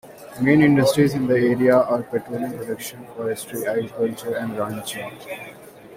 Main industries in the area are petroleum production, forestry, agriculture, and ranching.